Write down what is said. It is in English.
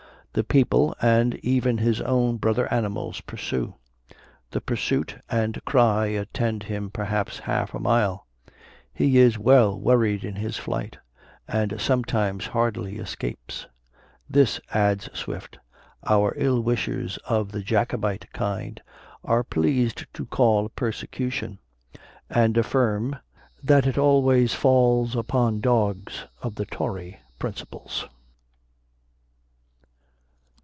The people, and even his own brother animals, pursue: the pursuit and cry attend him perhaps half a mile; he is well worried in his flight; and sometimes hardly escapes. "This," adds Swift, "our ill wishers of the Jacobite kind are pleased to call a persecution; and affirm, that it always falls upon dogs of the Tory principles."